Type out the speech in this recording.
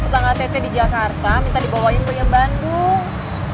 bang atepe di jakarta minta dibawain peyem bandung